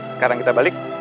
sekarang kita balik